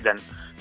dan ya itu juga